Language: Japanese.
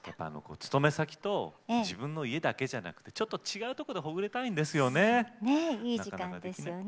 勤め先と自分の家だけじゃなくてちょっと違うところでほぐれたいんですよね。